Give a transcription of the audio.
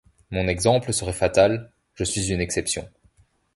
Mon exemple serait fatal : je suis une exception.